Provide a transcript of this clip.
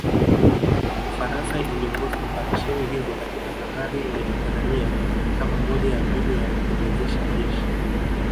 Ufaransa iliongoza operesheni hizo katika bahari Mediterania kama moja ya mbinu ya kuliwezesha jeshi